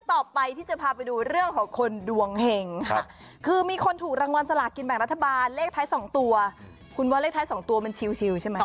ต่อไปที่จะพาไปดูเรื่องของคนดวงเห็งค่ะคือมีคนถูกรางวัลสลากินแบ่งรัฐบาลเลขท้าย๒ตัวคุณว่าเลขท้าย๒ตัวมันชิวใช่ไหม